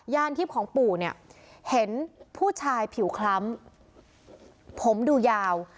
ยานทิพย์ของปู่เนี่ยเห็นผู้ชายผิวคล้ำผมดูยาว